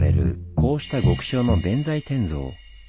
こうした極小の弁財天像。